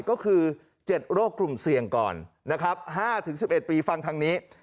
ก็คือ๗โรคกลุ่มเสี่ยงก่อนนะครับ๕๑๑ปีฟังทางนี้